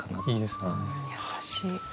優しい。